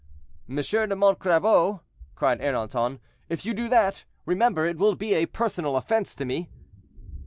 "M. de Montcrabeau," cried Ernanton, "if you do that, remember it will be a personal offense to me."